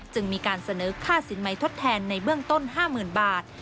จึงมีการเสนอค่าสินใหม่ทดแทนในเบื้องต้น๕๐๐๐บาท